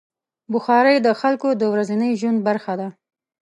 بخاري د خلکو د ورځني ژوند برخه ده.